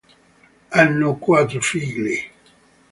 Hanno quattro figli.